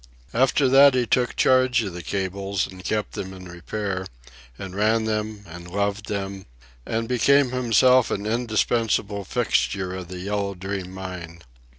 After that he took charge of the cables and kept them in repair, and ran them and loved them, and became himself an indispensable fixture of the Yellow Dream mine.